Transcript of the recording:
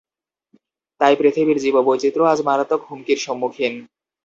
তাই পৃথিবীর জীববৈচিত্র্য আজ মারাত্মক হুমকির সম্মুখীন।